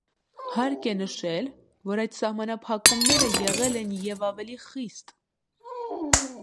Հարկ է նշել, որ այդ սահմանափակումները եղել են և ավելի խիստ։